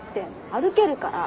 歩けるから。